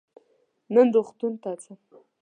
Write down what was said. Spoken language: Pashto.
نن روغتون ته ځم.